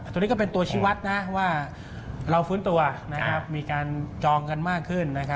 ตัวนี้ก็เป็นตัวชีวัตรว่าเราฟื้นตัวมีการจองกันมากขึ้น